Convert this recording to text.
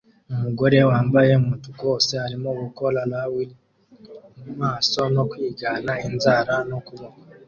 Umugore wambaye umutuku wose arimo gukora "rawr" mumaso no kwigana inzara n'ukuboko